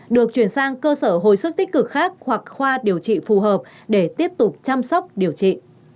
được chuyển sang cơ sở hồi sức tích cực khác hoặc khoa điều trị phù hợp để tiếp tục chăm sóc điều trị